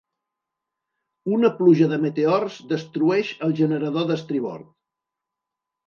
Una pluja de meteors destrueix el generador d'estribord.